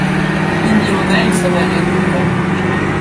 pini ona li sama len luka.